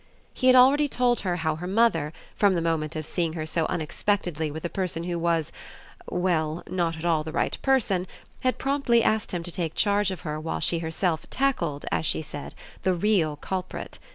He had already told her how her mother, from the moment of seeing her so unexpectedly with a person who was well, not at all the right person, had promptly asked him to take charge of her while she herself tackled, as she said, the real culprit.